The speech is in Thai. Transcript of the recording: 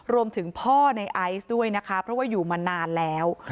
พ่อในไอซ์ด้วยนะคะเพราะว่าอยู่มานานแล้ว